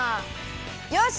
よし！